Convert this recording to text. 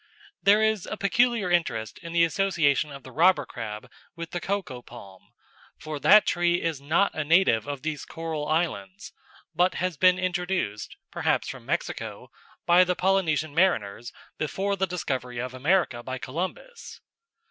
There is a peculiar interest in the association of the robber crab with the coco palm, for that tree is not a native of these coral islands, but has been introduced, perhaps from Mexico, by the Polynesian mariners before the discovery of America by Columbus.